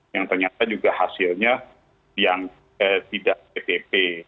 yang ternyata juga hasilnya yang tidak ptp